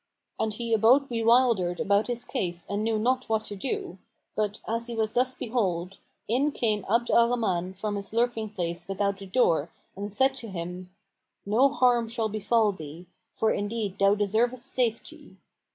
And he abode bewildered about his case and knew not what to do, but, as he was thus behold, in came Abd al Rahman from his lurking place without the door and said to him, "No harm shall befal thee, for indeed thou deservest safety.